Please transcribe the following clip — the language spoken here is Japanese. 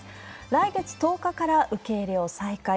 来月１０日から受け入れを再開。